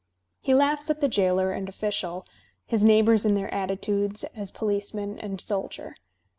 He laughs at the jailer and official, his neighbours in their attitudes as policeman and soldier.